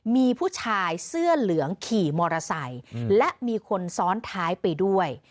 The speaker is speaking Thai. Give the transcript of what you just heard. มีผู้ชายเสื้อเหลืองขี่มอเตอร์ไซค์และมีคนซ้อนท้ายไปด้วย